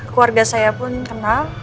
keluarga saya pun kenal